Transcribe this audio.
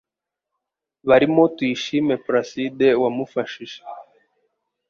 barimo Tuyishime Placide wamufashije